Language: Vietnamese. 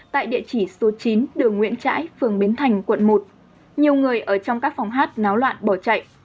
tại địa chỉ số chín đường nguyễn trãi phường biến thành quận một nhiều người ở trong các phòng hát náo loạn bỏ chạy